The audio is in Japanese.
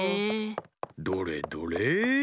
どれどれ？